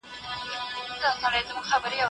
او له سترګو یې د اوښکو رود وو تاللی